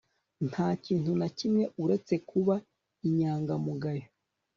Nta kintu na kimwe uretse kuba inyangamugayo